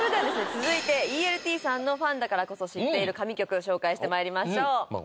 続いて「ＥＬＴ」さんのファンだからこそ知っている神曲紹介してまいりましょうまっ